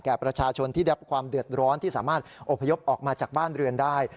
ประชาชนที่ได้รับความเดือดร้อนที่สามารถอพยพออกมาจากบ้านเรือนได้